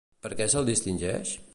Per què se'l distingeix?